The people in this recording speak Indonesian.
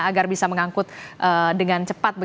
agar bisa mengangkut dengan cepat